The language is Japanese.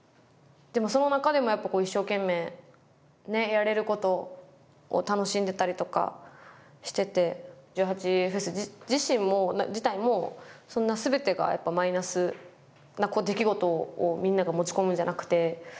でもその中でもやっぱ一生懸命やれることを楽しんでたりとかしてて１８祭自体もそんな全てがマイナスな出来事をみんなが持ち込むんじゃなくて。